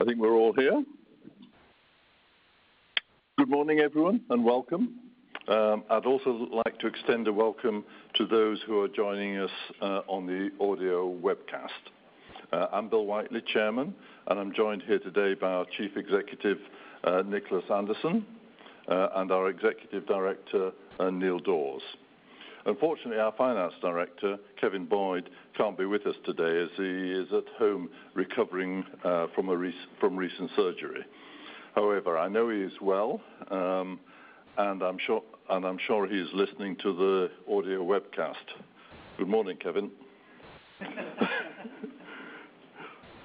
I think we're all here. Good morning, everyone, and welcome. I'd also like to extend a welcome to those who are joining us on the audio webcast. I'm Bill Whiteley, Chairman, and I'm joined here today by our Chief Executive, Nicholas Anderson, and our Executive Director, Neil Daws. Unfortunately, our Finance Director, Kevin Boyd, can't be with us today, as he is at home recovering from recent surgery. However, I know he is well, and I'm sure he's listening to the audio webcast. Good morning, Kevin.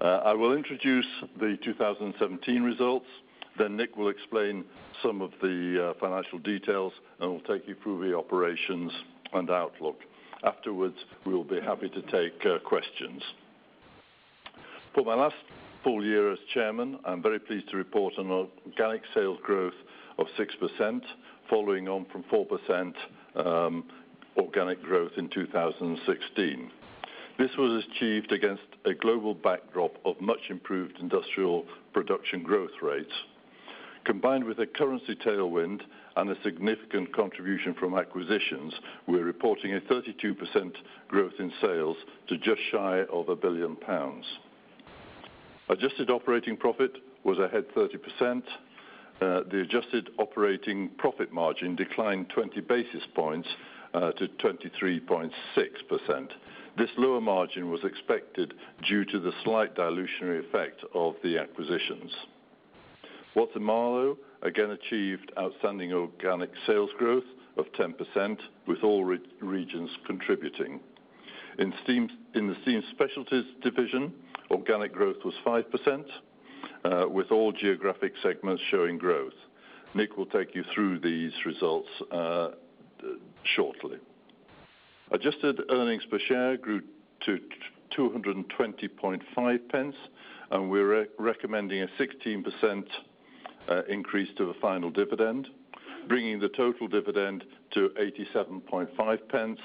I will introduce the 2017 results, then Nick will explain some of the financial details, and we'll take you through the operations and outlook. Afterwards, we'll be happy to take questions. For my last full year as chairman, I'm very pleased to report on organic sales growth of 6%, following on from 4%, organic growth in 2016. This was achieved against a global backdrop of much improved industrial production growth rates. Combined with a currency tailwind and a significant contribution from acquisitions, we're reporting 32% growth in sales to just shy of 1 billion pounds. Adjusted operating profit was ahead 30%. The adjusted operating profit margin declined 20 basis points to 23.6%. This lower margin was expected due to the slight dilutive effect of the acquisitions. Watson-Marlow again achieved outstanding organic sales growth of 10%, with all regions contributing. In the Steam Specialties division, organic growth was 5%, with all geographic segments showing growth. Nick will take you through these results shortly. Adjusted earnings per share grew to 2.205, and we're recommending a 16% increase to the final dividend, bringing the total dividend to 0.875,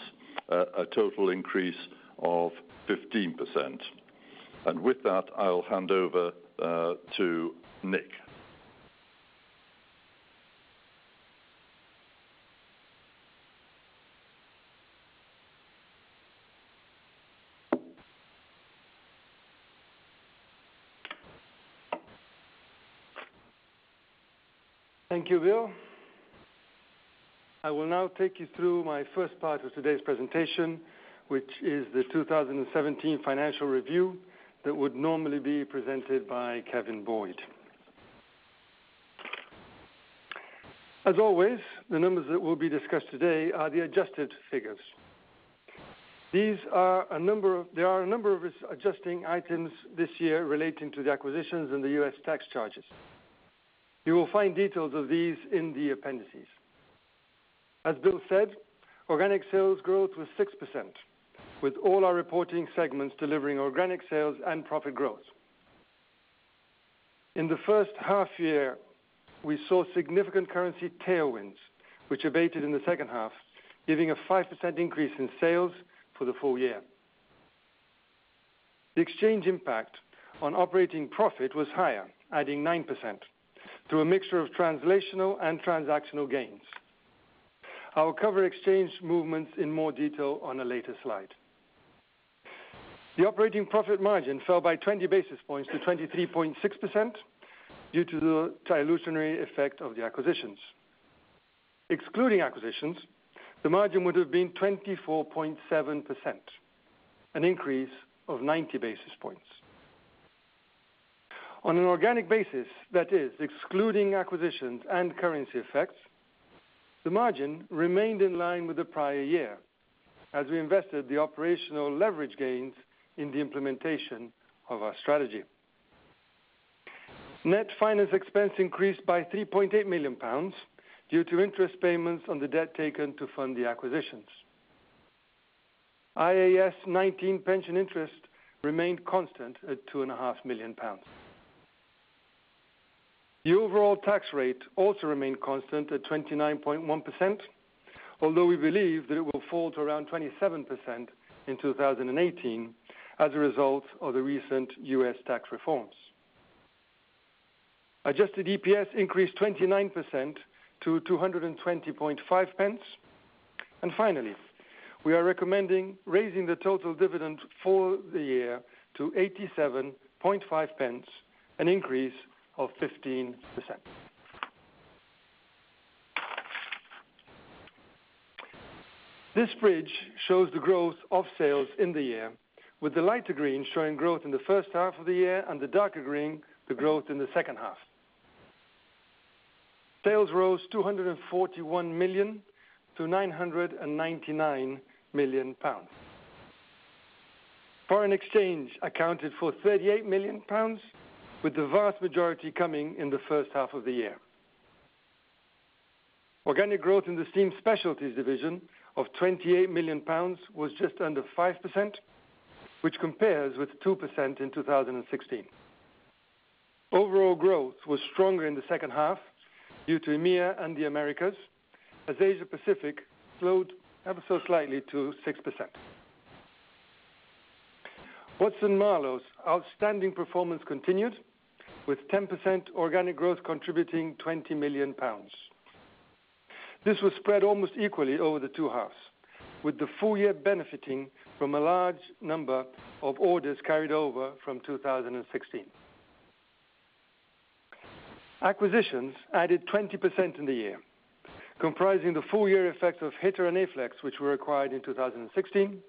a total increase of 15%. And with that, I'll hand over to Nick. Thank you, Bill. I will now take you through my first part of today's presentation, which is the 2017 financial review that would normally be presented by Kevin Boyd. As always, the numbers that will be discussed today are the adjusted figures. There are a number of readjusting items this year relating to the acquisitions and the U.S. tax charges. You will find details of these in the appendices. As Bill said, organic sales growth was 6%, with all our reporting segments delivering organic sales and profit growth. In the first half year, we saw significant currency tailwinds, which abated in the second half, giving a 5% increase in sales for the full year. The exchange impact on operating profit was higher, adding 9% to a mixture of translational and transactional gains. I will cover exchange movements in more detail on a later slide. The operating profit margin fell by 20 basis points to 23.6% due to the dilutive effect of the acquisitions. Excluding acquisitions, the margin would have been 24.7%, an increase of 90 basis points. On an organic basis, that is, excluding acquisitions and currency effects, the margin remained in line with the prior year as we invested the operational leverage gains in the implementation of our strategy. Net finance expense increased by 3.8 million pounds due to interest payments on the debt taken to fund the acquisitions. IAS 19 pension interest remained constant at 2.5 million pounds. The overall tax rate also remained constant at 29.1%, although we believe that it will fall to around 27% in 2018 as a result of the recent U.S. tax reforms. Adjusted EPS increased 29% to 2.205. Finally, we are recommending raising the total dividend for the year to 0.875, an increase of 15%. This bridge shows the growth of sales in the year, with the lighter green showing growth in the first half of the year and the darker green, the growth in the second half. Sales rose 241 million to 999 million pounds. Foreign exchange accounted for 38 million pounds, with the vast majority coming in the first half of the year. Organic growth in the Steam Specialties division of 28 million pounds was just under 5%, which compares with 2% in 2016. Overall growth was stronger in the second half due to EMEA and the Americas, as Asia Pacific grew ever so slightly to 6%... Watson-Marlow's outstanding performance continued, with 10% organic growth contributing 20 million pounds. This was spread almost equally over the two halves, with the full year benefiting from a large number of orders carried over from 2016. Acquisitions added 20% in the year, comprising the full year effect of Hiter and Aflex, which were acquired in 2016.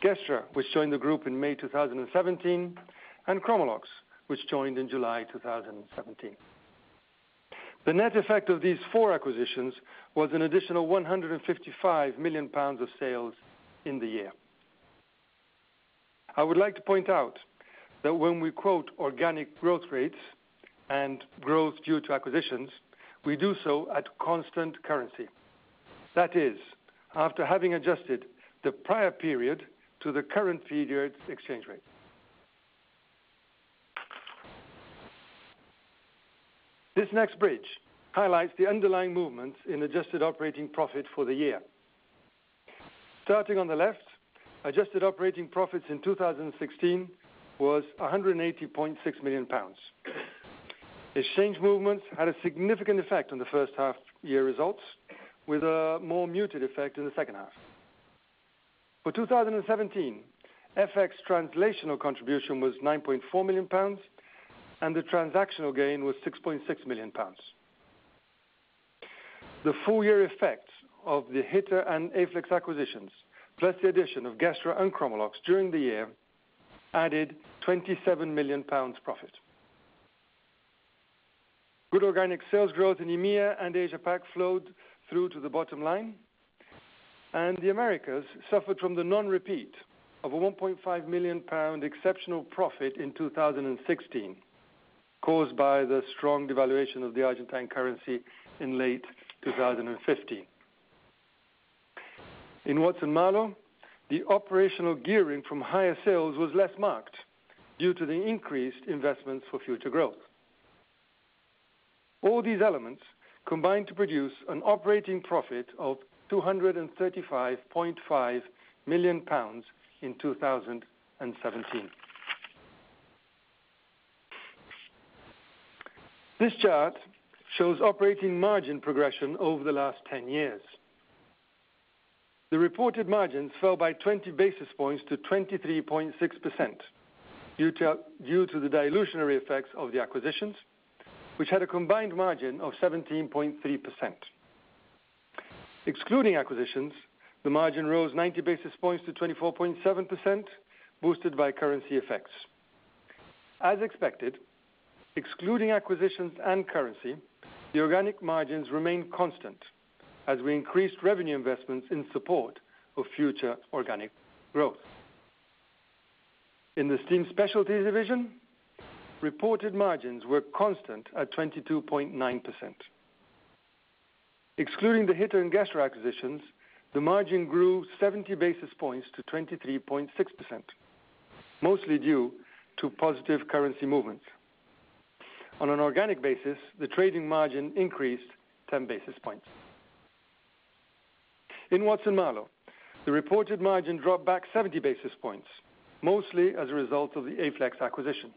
Gestra, which joined the group in May 2017, and Chromalox, which joined in July 2017. The net effect of these four acquisitions was an additional 155 million pounds of sales in the year. I would like to point out that when we quote organic growth rates and growth due to acquisitions, we do so at constant currency. That is, after having adjusted the prior period to the current figure's exchange rate. This next bridge highlights the underlying movements in adjusted operating profit for the year. Starting on the left, adjusted operating profits in 2016 was 180.6 million pounds. Exchange movements had a significant effect on the first half year results, with a more muted effect in the second half. For 2017, FX translational contribution was 9.4 million pounds, and the transactional gain was 6.6 million pounds. The full year effect of the Hiter and Aflex acquisitions, plus the addition of Gestra and Chromalox during the year, added 27 million pounds profit. Good organic sales growth in EMEA and Asia-Pac flowed through to the bottom line, and the Americas suffered from the non-repeat of a 1.5 million pound exceptional profit in 2016, caused by the strong devaluation of the Argentine currency in late 2015. In Watson-Marlow, the operational gearing from higher sales was less marked due to the increased investments for future growth. All these elements combined to produce an operating profit of 235.5 million pounds in 2017. This chart shows operating margin progression over the last 10 years. The reported margins fell by 20 basis points to 23.6%, due to the dilutionary effects of the acquisitions, which had a combined margin of 17.3%. Excluding acquisitions, the margin rose 90 basis points to 24.7%, boosted by currency effects. As expected, excluding acquisitions and currency, the organic margins remained constant as we increased revenue investments in support of future organic growth. In the Steam Specialties division, reported margins were constant at 22.9%. Excluding the Hiter and Gestra acquisitions, the margin grew 70 basis points to 23.6%, mostly due to positive currency movements. On an organic basis, the trading margin increased 10 basis points. In Watson-Marlow, the reported margin dropped back 70 basis points, mostly as a result of the Aflex acquisition.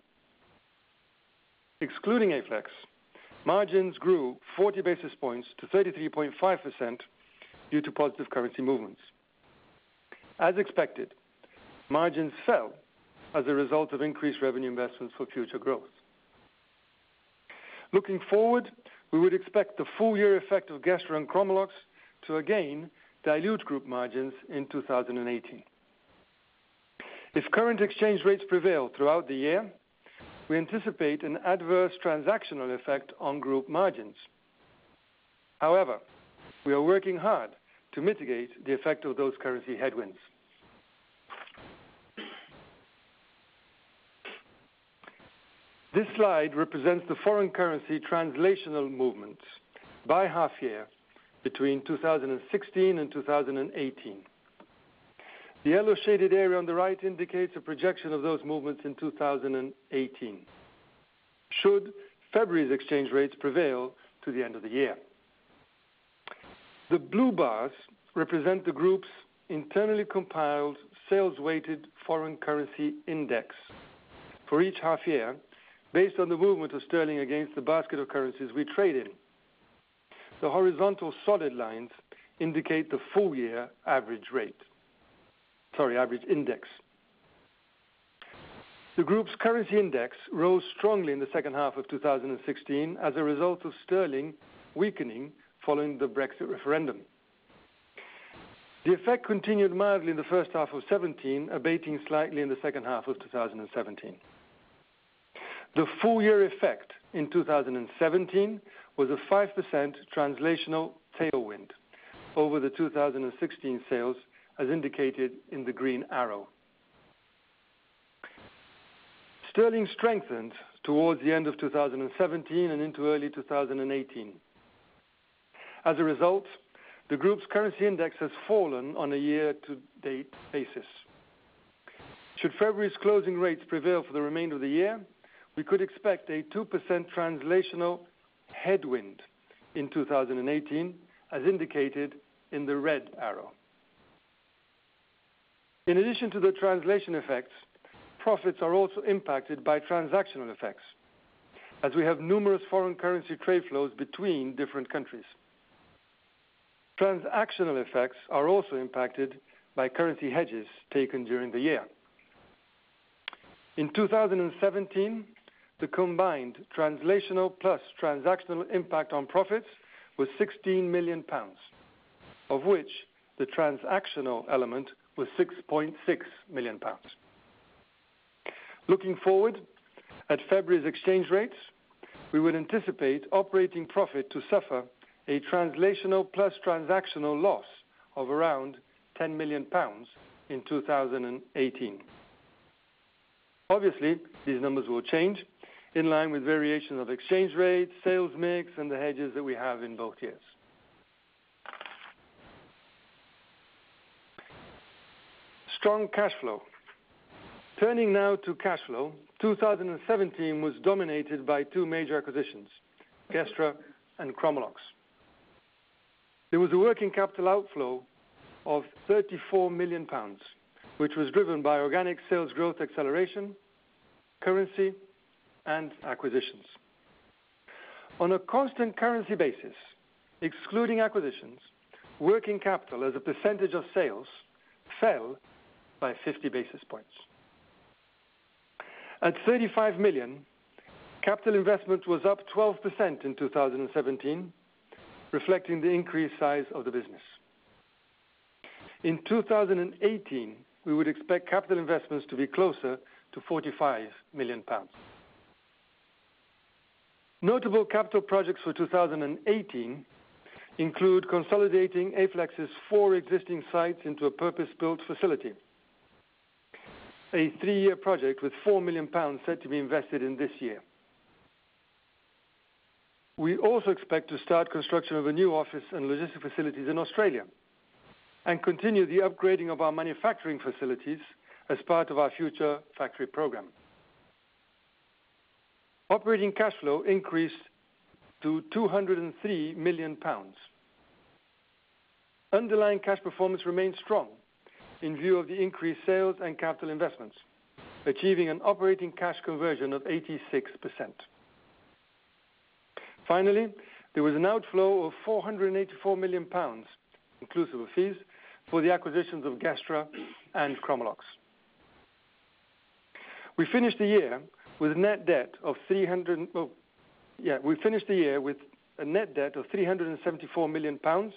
Excluding Aflex, margins grew 40 basis points to 33.5% due to positive currency movements. As expected, margins fell as a result of increased revenue investments for future growth. Looking forward, we would expect the full year effect of Gestra and Chromalox to again dilute group margins in 2018. If current exchange rates prevail throughout the year, we anticipate an adverse transactional effect on group margins. However, we are working hard to mitigate the effect of those currency headwinds. This slide represents the foreign currency translational movements by half year between 2016 and 2018. The yellow shaded area on the right indicates a projection of those movements in 2018, should February's exchange rates prevail to the end of the year. The blue bars represent the group's internally compiled sales-weighted foreign currency index for each half year, based on the movement of sterling against the basket of currencies we trade in. The horizontal solid lines indicate the full year average rate, sorry, average index. The group's currency index rose strongly in the second half of 2016 as a result of sterling weakening following the Brexit referendum. The effect continued mildly in the first half of seventeen, abating slightly in the second half of 2017. The full year effect in 2017 was a 5% translational tailwind over the 2016 sales, as indicated in the green arrow. Sterling strengthened towards the end of 2017 and into early 2018. As a result, the group's currency index has fallen on a year-to-date basis.... Should February's closing rates prevail for the remainder of the year, we could expect a 2% translational headwind in 2018, as indicated in the red arrow. In addition to the translational effects, profits are also impacted by transactional effects, as we have numerous foreign currency trade flows between different countries. Transactional effects are also impacted by currency hedges taken during the year. In 2017, the combined translational plus transactional impact on profits was 16 million pounds, of which the transactional element was 6.6 million pounds. Looking forward, at February's exchange rates, we would anticipate operating profit to suffer a translational plus transactional loss of around 10 million pounds in 2018. Obviously, these numbers will change in line with variation of exchange rates, sales mix, and the hedges that we have in both years. Strong cash flow. Turning now to cash flow, 2017 was dominated by two major acquisitions, Gestra and Chromalox. There was a working capital outflow of 34 million pounds, which was driven by organic sales growth acceleration, currency, and acquisitions. On a constant currency basis, excluding acquisitions, working capital as a percentage of sales fell by 50 basis points. At 35 million, capital investment was up 12% in 2017, reflecting the increased size of the business. In 2018, we would expect capital investments to be closer to 45 million pounds. Notable capital projects for 2018 include consolidating Aflex's four existing sites into a purpose-built facility. A three-year project with 4 million pounds set to be invested in this year. We also expect to start construction of a new office and logistic facilities in Australia, and continue the upgrading of our manufacturing facilities as part of our future factory program. Operating cash flow increased to 203 million pounds. Underlying cash performance remains strong in view of the increased sales and capital investments, achieving an operating cash conversion of 86%. Finally, there was an outflow of 484 million pounds, inclusive of fees, for the acquisitions of Gestra and Chromalox. We finished the year with a net debt of 374 million pounds,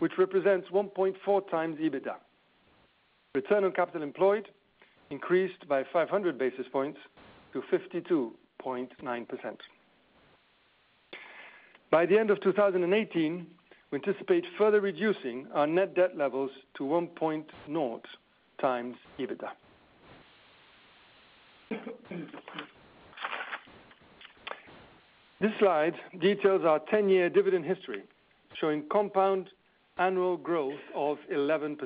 which represents 1.4 times EBITDA. Return on capital employed increased by 500 basis points to 52.9%. By the end of 2018, we anticipate further reducing our net debt levels to 1.0 times EBITDA. This slide details our 10-year dividend history, showing compound annual growth of 11%.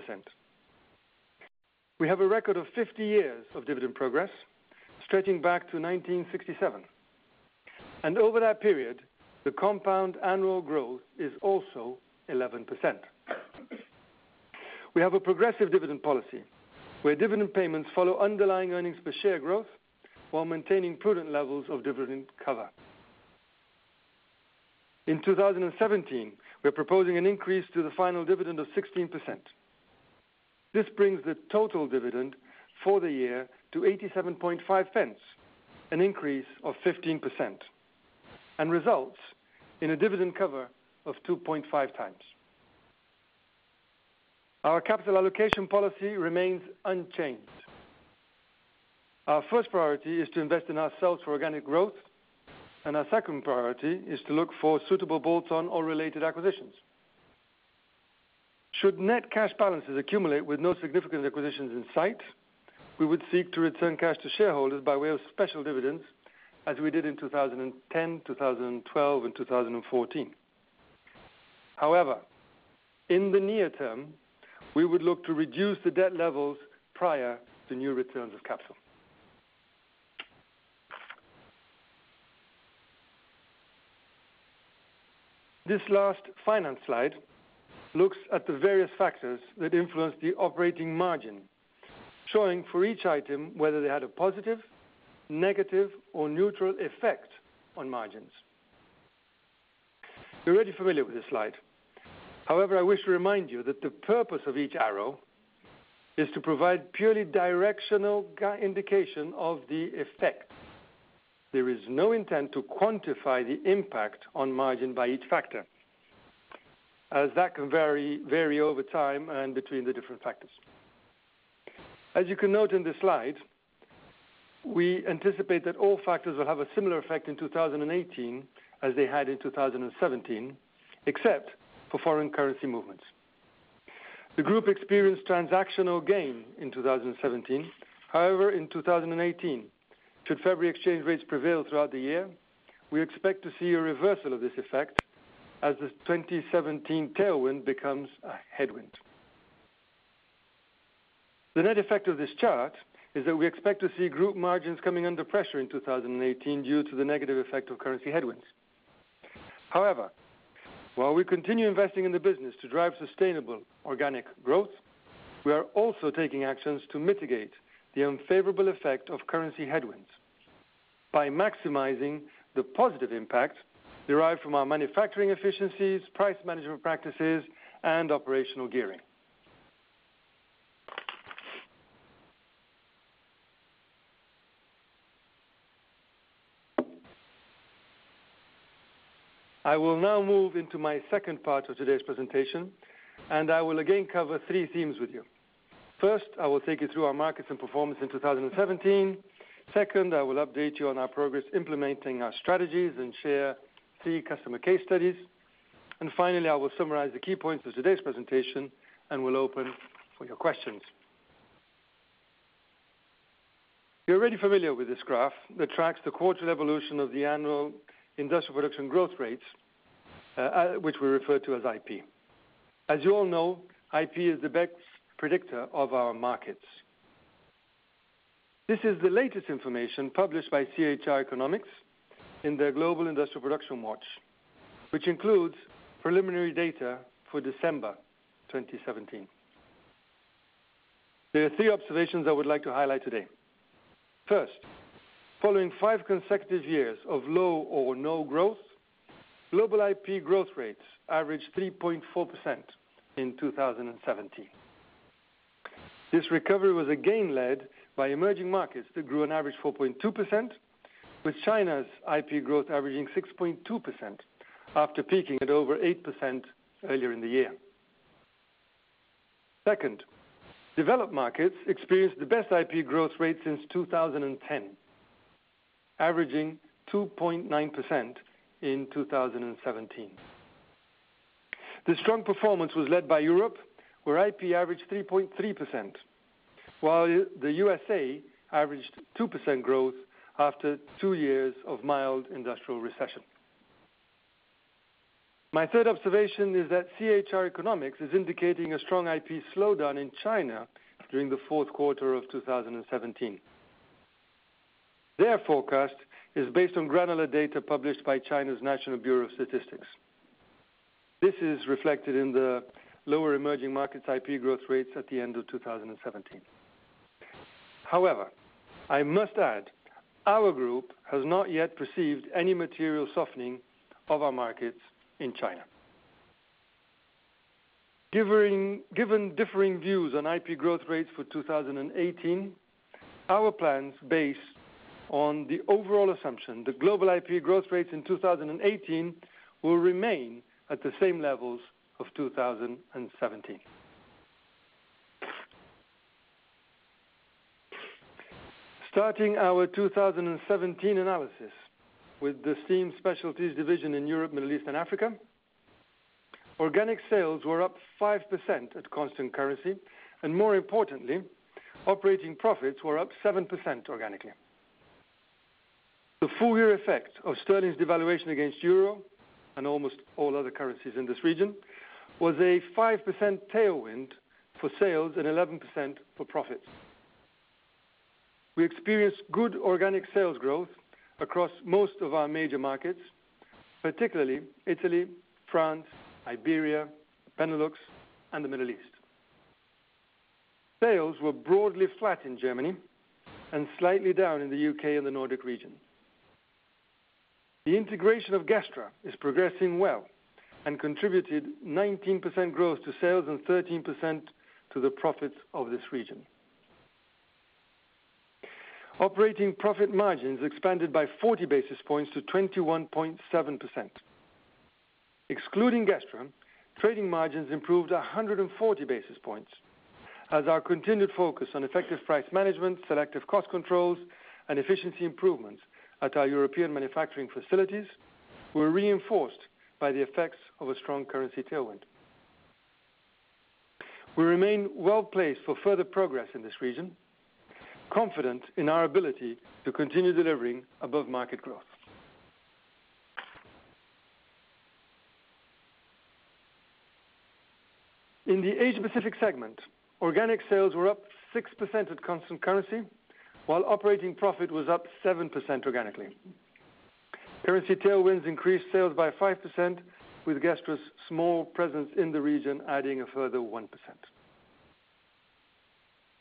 We have a record of 50 years of dividend progress, stretching back to 1967, and over that period, the compound annual growth is also 11%. We have a progressive dividend policy, where dividend payments follow underlying earnings per share growth while maintaining prudent levels of dividend cover. In 2017, we're proposing an increase to the final dividend of 16%. This brings the total dividend for the year to 87.5 pence, an increase of 15%, and results in a dividend cover of 2.5 times. Our capital allocation policy remains unchanged. Our first priority is to invest in ourselves for organic growth, and our second priority is to look for suitable bolt-on or related acquisitions. Should net cash balances accumulate with no significant acquisitions in sight, we would seek to return cash to shareholders by way of special dividends, as we did in 2010, 2012, and 2014. However, in the near term, we would look to reduce the debt levels prior to new returns of capital. This last finance slide looks at the various factors that influence the operating margin, showing for each item whether they had a positive, negative, or neutral effect on margins. You're already familiar with this slide. However, I wish to remind you that the purpose of each arrow is to provide purely directional indication of the effect. There is no intent to quantify the impact on margin by each factor, as that can vary over time and between the different factors. As you can note in this slide, we anticipate that all factors will have a similar effect in 2018 as they had in 2017, except for foreign currency movements. The group experienced transactional gain in 2017. However, in 2018, should February exchange rates prevail throughout the year, we expect to see a reversal of this effect, as the 2017 tailwind becomes a headwind. The net effect of this chart is that we expect to see group margins coming under pressure in 2018 due to the negative effect of currency headwinds. However, while we continue investing in the business to drive sustainable organic growth, we are also taking actions to mitigate the unfavorable effect of currency headwinds by maximizing the positive impact derived from our manufacturing efficiencies, price management practices, and operational gearing. I will now move into my second part of today's presentation, and I will again cover three themes with you. First, I will take you through our markets and performance in 2017. Second, I will update you on our progress implementing our strategies and share three customer case studies. And finally, I will summarize the key points of today's presentation, and will open for your questions. You're already familiar with this graph that tracks the quarter evolution of the annual industrial production growth rates, which we refer to as IP. As you all know, IP is the best predictor of our markets. This is the latest information published by Oxford Economics in their Global Industrial Production Watch, which includes preliminary data for December 2017. There are three observations I would like to highlight today. First, following five consecutive years of low or no growth, global IP growth rates averaged 3.4% in 2017. This recovery was again led by emerging markets that grew on average 4.2%, with China's IP growth averaging 6.2%, after peaking at over 8% earlier in the year. Second, developed markets experienced the best IP growth rate since 2010, averaging 2.9% in 2017. The strong performance was led by Europe, where IP averaged 3.3%, while the USA averaged 2% growth after two years of mild industrial recession. My third observation is that Oxford Economics is indicating a strong IP slowdown in China during the fourth quarter of 2017. Their forecast is based on granular data published by China's National Bureau of Statistics. This is reflected in the lower emerging markets IP growth rates at the end of 2017. However, I must add, our group has not yet perceived any material softening of our markets in China. Given differing views on IP growth rates for 2018, our plan's based on the overall assumption that global IP growth rates in 2018 will remain at the same levels of 2017. Starting our 2017 analysis with the Steam Specialties division in Europe, Middle East, and Africa, organic sales were up 5% at constant currency, and more importantly, operating profits were up 7% organically. The full year effect of sterling's devaluation against euro, and almost all other currencies in this region, was a 5% tailwind for sales and 11% for profits. We experienced good organic sales growth across most of our major markets, particularly Italy, France, Iberia, Benelux, and the Middle East. Sales were broadly flat in Germany and slightly down in the U.K. and the Nordic region. The integration of Gestra is progressing well and contributed 19% growth to sales and 13% to the profits of this region. Operating profit margins expanded by 40 basis points to 21.7%. Excluding Gestra, trading margins improved 140 basis points, as our continued focus on effective price management, selective cost controls, and efficiency improvements at our European manufacturing facilities were reinforced by the effects of a strong currency tailwind. We remain well placed for further progress in this region, confident in our ability to continue delivering above market growth. In the Asia Pacific segment, organic sales were up 6% at constant currency, while operating profit was up 7% organically. Currency tailwinds increased sales by 5%, with Gestra's small presence in the region adding a further 1%.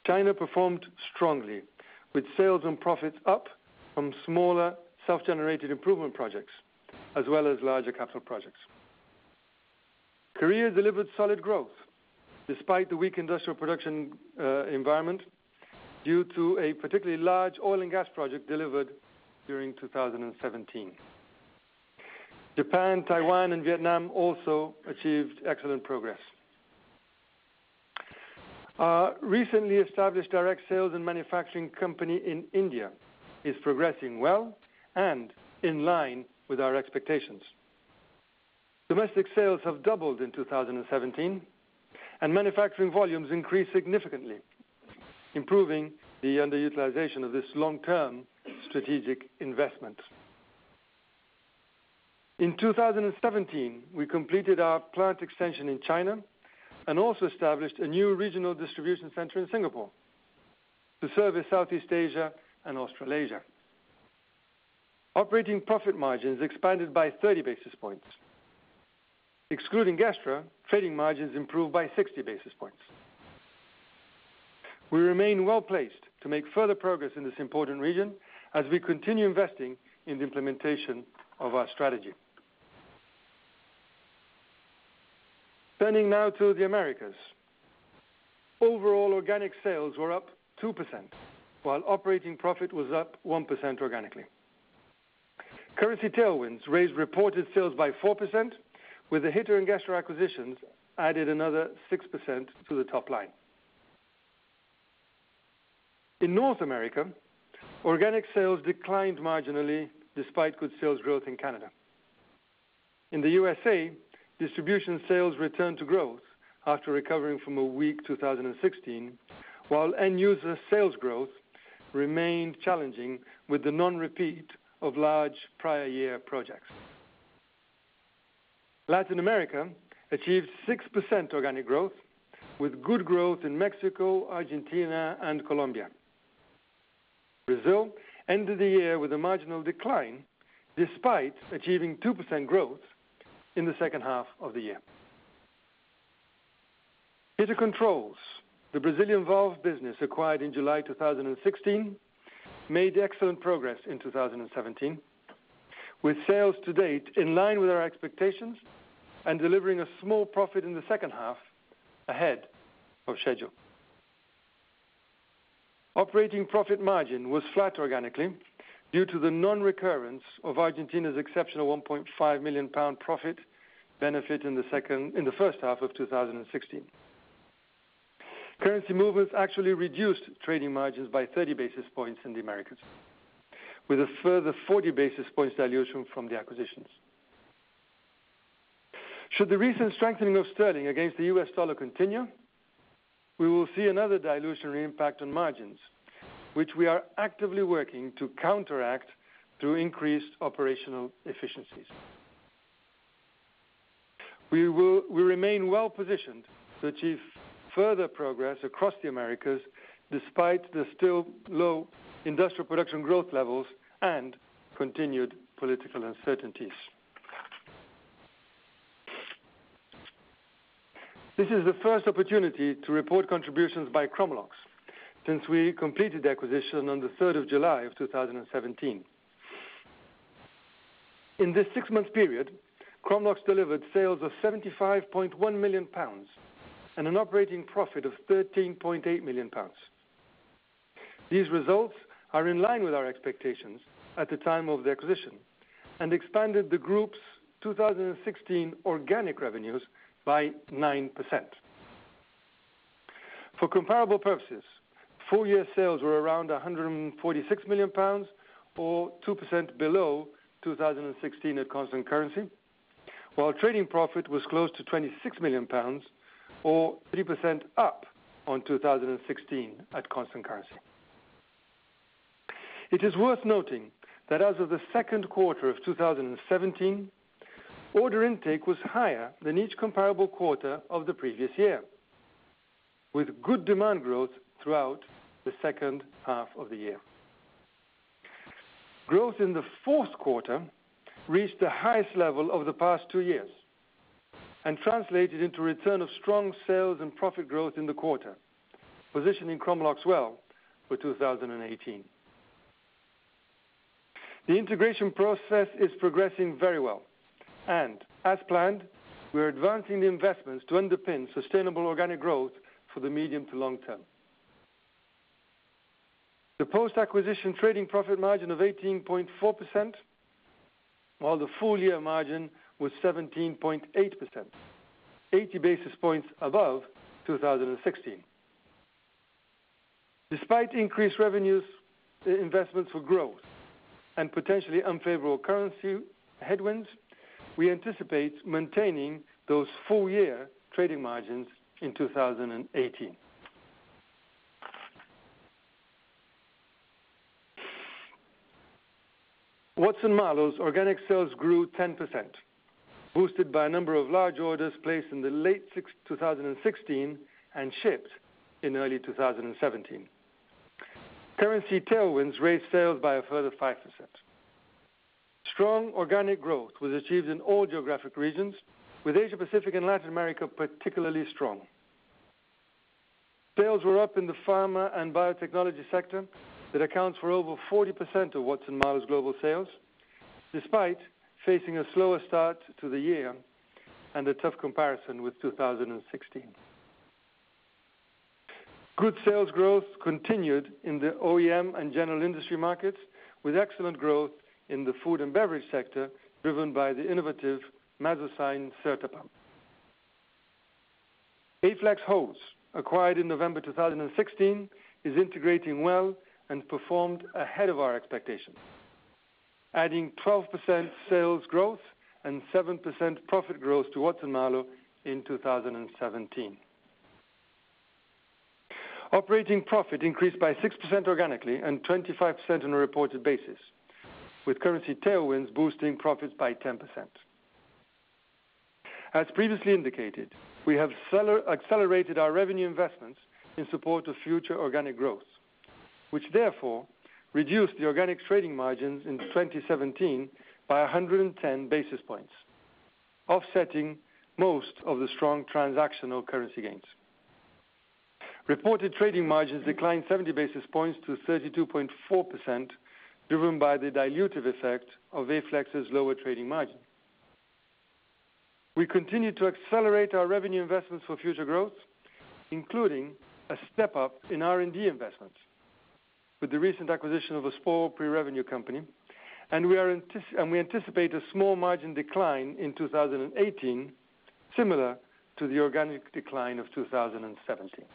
China performed strongly, with sales and profits up from smaller self-generated improvement projects, as well as larger capital projects. Korea delivered solid growth, despite the weak industrial production environment, due to a particularly large oil and gas project delivered during 2017. Japan, Taiwan, and Vietnam also achieved excellent progress. Our recently established direct sales and manufacturing company in India is progressing well and in line with our expectations. Domestic sales have doubled in 2017, and manufacturing volumes increased significantly, improving the underutilization of this long-term strategic investment. In 2017, we completed our plant extension in China, and also established a new regional distribution center in Singapore to serve Southeast Asia and Australasia. Operating profit margins expanded by 30 basis points. Excluding Gestra, trading margins improved by 60 basis points. We remain well placed to make further progress in this important region as we continue investing in the implementation of our strategy. Turning now to the Americas. Overall, organic sales were up 2%, while operating profit was up 1% organically. Currency tailwinds raised reported sales by 4%, with the Hiter and Gestra acquisitions added another 6% to the top line. In North America, organic sales declined marginally despite good sales growth in Canada. In the USA, distribution sales returned to growth after recovering from a weak 2016, while end user sales growth remained challenging with the non-repeat of large prior year projects. Latin America achieved 6% organic growth, with good growth in Mexico, Argentina, and Colombia. Brazil ended the year with a marginal decline, despite achieving 2% growth in the second half of the year. Hiter Controls, the Brazilian valve business acquired in July 2016, made excellent progress in 2017, with sales to date in line with our expectations and delivering a small profit in the second half ahead of schedule. Operating profit margin was flat organically due to the non-recurrence of Argentina's exceptional 1.5 million pound profit benefit in the first half of 2016. Currency movements actually reduced trading margins by 30 basis points in the Americas, with a further 40 basis points dilution from the acquisitions. Should the recent strengthening of sterling against the U.S. dollar continue, we will see another dilution impact on margins, which we are actively working to counteract through increased operational efficiencies. We remain well positioned to achieve further progress across the Americas, despite the still low industrial production growth levels and continued political uncertainties. This is the first opportunity to report contributions by Chromalox, since we completed the acquisition on the third of July 2017. In this six-month period, Chromalox delivered sales of 75.1 million pounds and an operating profit of 13.8 million pounds. These results are in line with our expectations at the time of the acquisition and expanded the group's 2016 organic revenues by 9%. For comparable purposes, full year sales were around 146 million pounds, or 2% below 2016 at constant currency, while trading profit was close to 26 million pounds or 3% up on 2016 at constant currency. It is worth noting that as of the second quarter of 2017, order intake was higher than each comparable quarter of the previous year, with good demand growth throughout the second half of the year. Growth in the fourth quarter reached the highest level over the past two years and translated into a return of strong sales and profit growth in the quarter, positioning Chromalox well for 2018. The integration process is progressing very well, and as planned, we are advancing the investments to underpin sustainable organic growth for the medium to long term. The post-acquisition trading profit margin of 18.4%, while the full year margin was 17.8%, 80 basis points above 2016. Despite increased revenues, investments for growth, and potentially unfavorable currency headwinds, we anticipate maintaining those full year trading margins in 2018. Watson-Marlow's organic sales grew 10%, boosted by a number of large orders placed in the late 2016 and shipped in early 2017. Currency tailwinds raised sales by a further 5%. Strong organic growth was achieved in all geographic regions, with Asia-Pacific and Latin America particularly strong. Sales were up in the pharma and biotechnology sector. That accounts for over 40% of Watson-Marlow's global sales, despite facing a slower start to the year and a tough comparison with 2016. Good sales growth continued in the OEM and general industry markets, with excellent growth in the food and beverage sector, driven by the innovative MasoSine Certa pump. Aflex Hose, acquired in November 2016, is integrating well and performed ahead of our expectations, adding 12% sales growth and 7% profit growth to Watson-Marlow in 2017. Operating profit increased by 6% organically, and 25% on a reported basis, with currency tailwinds boosting profits by 10%. As previously indicated, we have accelerated our revenue investments in support of future organic growth, which therefore reduced the organic trading margins in 2017 by 110 basis points, offsetting most of the strong transactional currency gains. Reported trading margins declined 70 basis points to 32.4%, driven by the dilutive effect of Aflex's lower trading margin. We continue to accelerate our revenue investments for future growth, including a step up in R&D investments with the recent acquisition of a small pre-revenue company, and we anticipate a small margin decline in 2018, similar to the organic decline of 2017.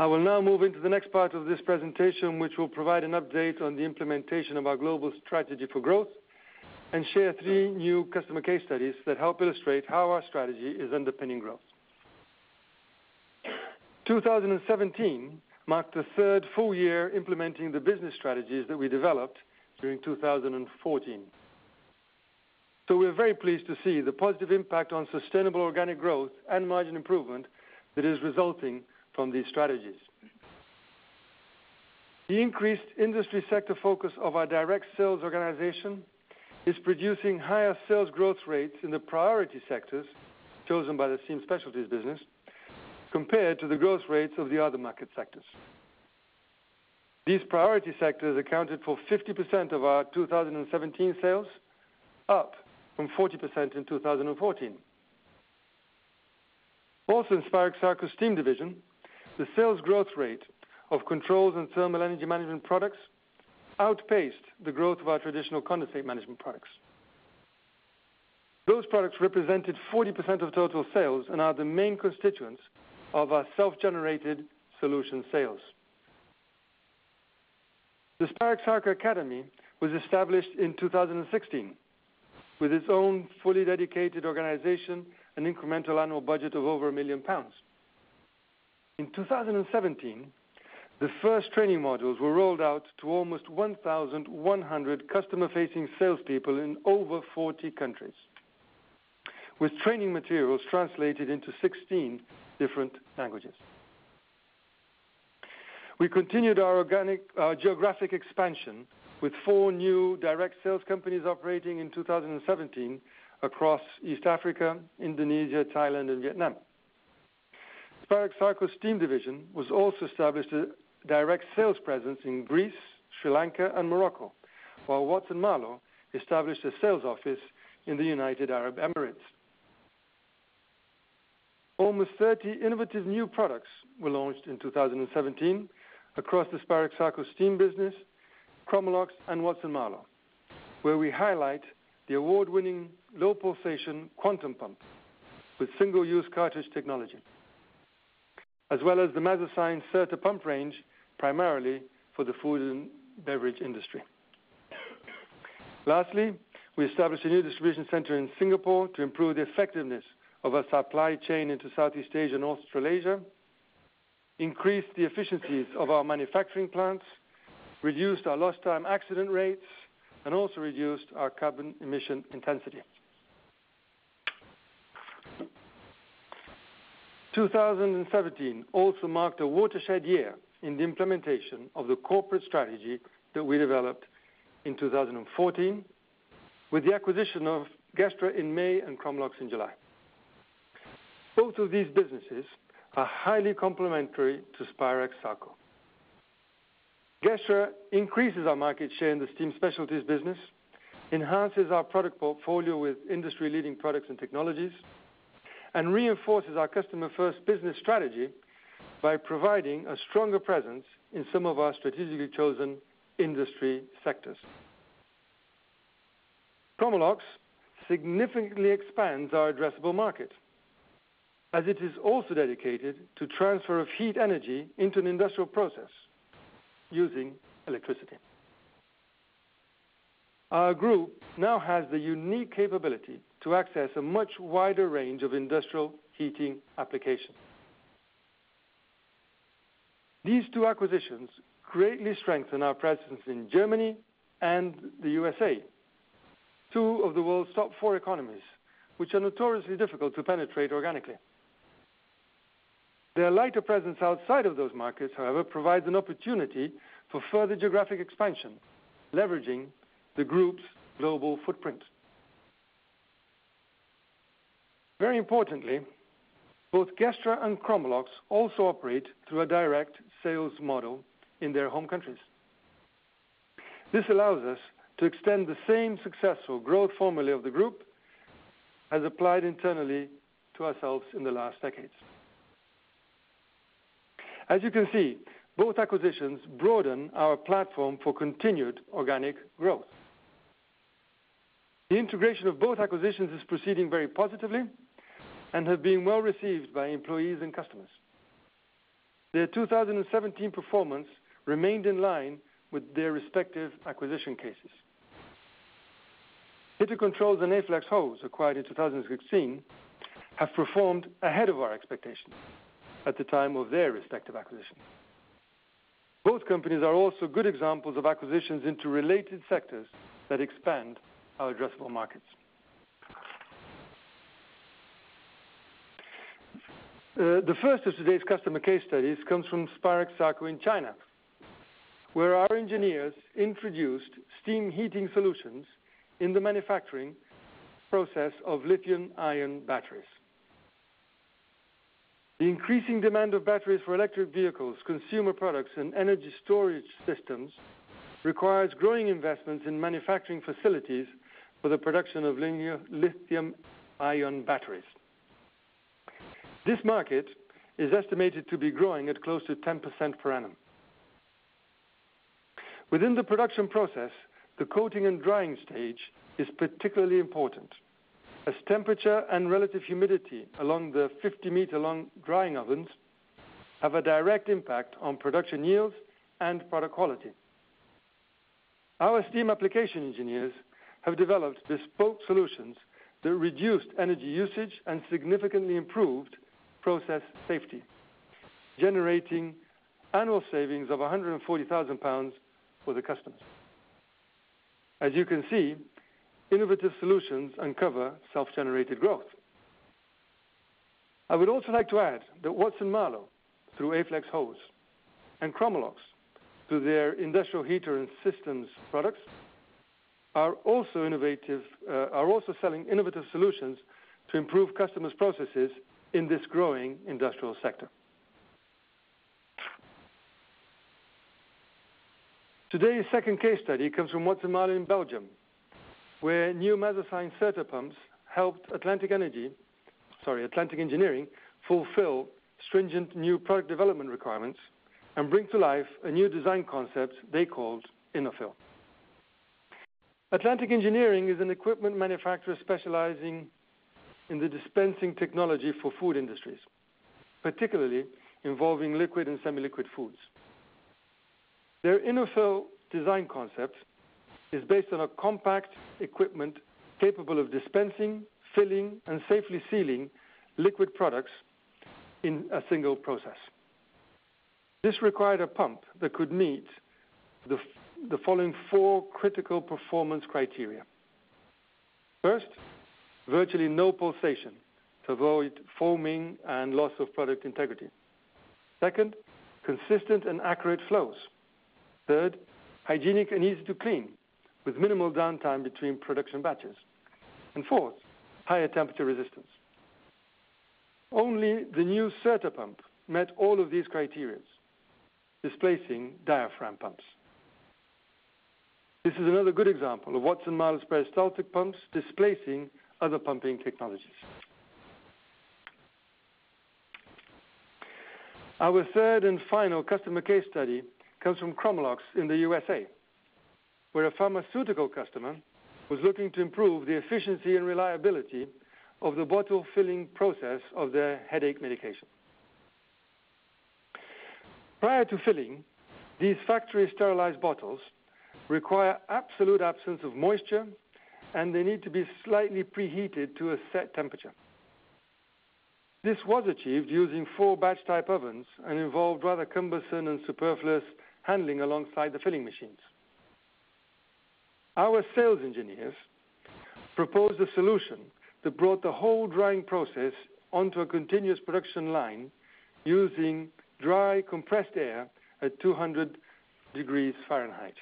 I will now move into the next part of this presentation, which will provide an update on the implementation of our global strategy for growth, and share three new customer case studies that help illustrate how our strategy is underpinning growth. 2017 marked the third full year implementing the business strategies that we developed during 2014. So we're very pleased to see the positive impact on sustainable organic growth and margin improvement that is resulting from these strategies. The increased industry sector focus of our direct sales organization is producing higher sales growth rates in the priority sectors chosen by the Steam Specialties business, compared to the growth rates of the other market sectors. These priority sectors accounted for 50% of our 2017 sales, up from 40% in 2014. Also in Spirax Sarco's Steam division, the sales growth rate of controls and thermal energy management products outpaced the growth of our traditional condensate management products. Those products represented 40% of total sales and are the main constituents of our self-generated solution sales. The Spirax Sarco Academy was established in 2016, with its own fully dedicated organization and incremental annual budget of over 1 million pounds. In 2017, the first training modules were rolled out to almost 1,100 customer-facing salespeople in over 40 countries, with training materials translated into 16 different languages. We continued our organic, geographic expansion with 4 new direct sales companies operating in 2017 across East Africa, Indonesia, Thailand, and Vietnam. Spirax Sarco Steam division was also established a direct sales presence in Greece, Sri Lanka, and Morocco, while Watson-Marlow established a sales office in the United Arab Emirates. Almost 30 innovative new products were launched in 2017 across the Spirax Sarco Steam business, Chromalox, and Watson-Marlow, where we highlight the award-winning low pulsation Quantum pump with single-use cartridge technology, as well as the MasoSine Certa pump range, primarily for the food and beverage industry. Lastly, we established a new distribution center in Singapore to improve the effectiveness of our supply chain into Southeast Asia and Australasia, increased the efficiencies of our manufacturing plants, reduced our lost time accident rates, and also reduced our carbon emission intensity. 2017 also marked a watershed year in the implementation of the corporate strategy that we developed in 2014 with the acquisition of Gestra in May and Chromalox in July. Both of these businesses are highly complementary to Spirax Sarco. Gestra increases our market share in the Steam Specialties business, enhances our product portfolio with industry-leading products and technologies, and reinforces our customer first business strategy by providing a stronger presence in some of our strategically chosen industry sectors. Chromalox significantly expands our addressable market, as it is also dedicated to transfer of heat energy into an industrial process using electricity. Our group now has the unique capability to access a much wider range of industrial heating applications. These two acquisitions greatly strengthen our presence in Germany and the USA, two of the world's top four economies, which are notoriously difficult to penetrate organically. Their lighter presence outside of those markets, however, provides an opportunity for further geographic expansion, leveraging the group's global footprint. Very importantly, both Gestra and Chromalox also operate through a direct sales model in their home countries. This allows us to extend the same successful growth formula of the group as applied internally to ourselves in the last decades. As you can see, both acquisitions broaden our platform for continued organic growth. The integration of both acquisitions is proceeding very positively, and have been well received by employees and customers. Their 2017 performance remained in line with their respective acquisition cases. Hiter Controls and Aflex Hose, acquired in 2016, have performed ahead of our expectations at the time of their respective acquisitions. Both companies are also good examples of acquisitions into related sectors that expand our addressable markets. The first of today's customer case studies comes from Spirax Sarco in China, where our engineers introduced steam heating solutions in the manufacturing process of lithium-ion batteries. The increasing demand of batteries for electric vehicles, consumer products, and energy storage systems requires growing investments in manufacturing facilities for the production of lithium-ion batteries. This market is estimated to be growing at close to 10% per annum. Within the production process, the coating and drying stage is particularly important, as temperature and relative humidity along the 50-meter long drying ovens have a direct impact on production yields and product quality. Our steam application engineers have developed bespoke solutions that reduced energy usage and significantly improved process safety, generating annual savings of 140,000 pounds for the customers. As you can see, innovative solutions uncover self-generated growth. I would also like to add that Watson-Marlow, through Aflex Hose, and Chromalox, through their industrial heater and systems products, are also innovative, are also selling innovative solutions to improve customers' processes in this growing industrial sector. Today's second case study comes from Watson-Marlow in Belgium, where new MasoSine Certa pumps helped Atlantic Energy, sorry, Atlantic Engineering, fulfill stringent new product development requirements and bring to life a new design concept they called InnoFill. Atlantic Engineering is an equipment manufacturer specializing in the dispensing technology for food industries, particularly involving liquid and semi-liquid foods. Their InnoFill design concept is based on a compact equipment capable of dispensing, filling, and safely sealing liquid products in a single process. This required a pump that could meet the following four critical performance criteria. First, virtually no pulsation to avoid foaming and loss of product integrity. Second, consistent and accurate flows. Third, hygienic and easy to clean, with minimal downtime between production batches. And fourth, higher temperature resistance. Only the new Certa pump met all of these criteria, displacing diaphragm pumps. This is another good example of Watson-Marlow's peristaltic pumps displacing other pumping technologies. Our third and final customer case study comes from Chromalox in the USA, where a pharmaceutical customer was looking to improve the efficiency and reliability of the bottle filling process of their headache medication. Prior to filling, these factory-sterilized bottles require absolute absence of moisture, and they need to be slightly preheated to a set temperature. This was achieved using four batch-type ovens and involved rather cumbersome and superfluous handling alongside the filling machines. Our sales engineers proposed a solution that brought the whole drying process onto a continuous production line using dry, compressed air at 200 degrees Fahrenheit.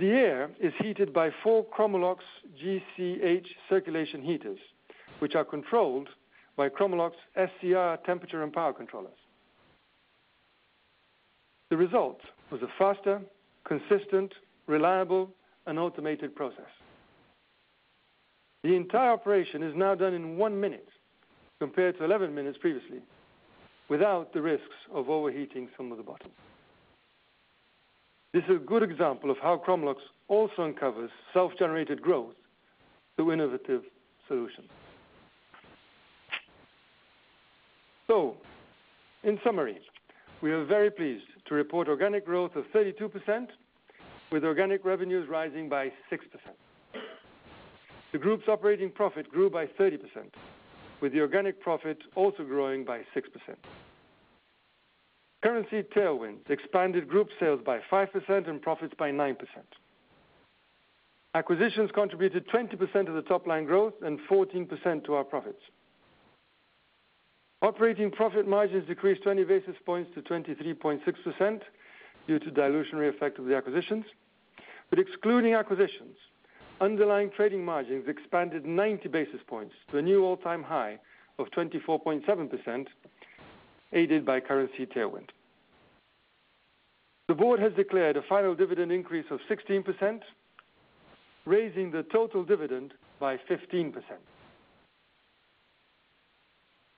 The air is heated by four Chromalox GCH circulation heaters, which are controlled by Chromalox SCR temperature and power controllers. The result was a faster, consistent, reliable, and automated process. The entire operation is now done in one minute, compared to eleven minutes previously, without the risks of overheating some of the bottles. This is a good example of how Chromalox also uncovers self-generated growth through innovative solutions. In summary, we are very pleased to report organic growth of 32%, with organic revenues rising by 6%. The group's operating profit grew by 30%, with the organic profit also growing by 6%. Currency tailwind expanded group sales by 5% and profits by 9%. Acquisitions contributed 20% of the top line growth and 14% to our profits. Operating profit margins decreased 20 basis points to 23.6% due to dilutive effect of the acquisitions. But excluding acquisitions, underlying trading margins expanded 90 basis points to a new all-time high of 24.7%, aided by currency tailwind. The board has declared a final dividend increase of 16%, raising the total dividend by 15%.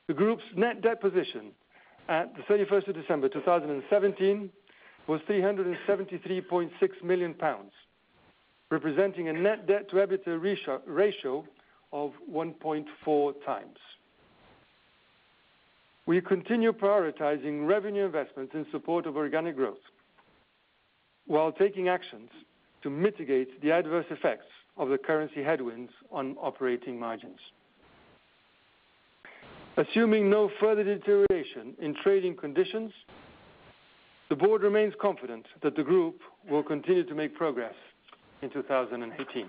The group's net debt position at the 31st of December, 2017, was 373.6 million pounds, representing a net debt to EBITDA ratio of one point four times. We continue prioritizing revenue investments in support of organic growth, while taking actions to mitigate the adverse effects of the currency headwinds on operating margins. Assuming no further deterioration in trading conditions, the board remains confident that the group will continue to make progress in 2018.